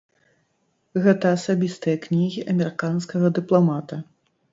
Гэта асабістыя кнігі амерыканскага дыпламата.